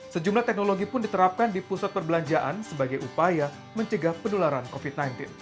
sejumlah teknologi pun diterapkan di pusat perbelanjaan sebagai upaya mencegah penularan covid sembilan belas